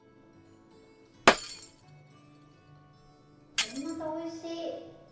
これまたおいしい！